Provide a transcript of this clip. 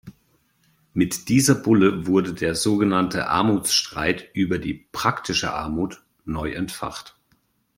Mit dieser Bulle wurde der so genannte Armutsstreit über die „praktische Armut“ neu entfacht.